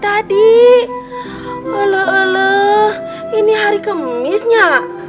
alah alah ini hari kemisnya